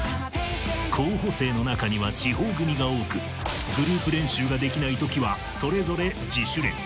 候補生の中には地方組が多くグループ練習ができない時はそれぞれ自主練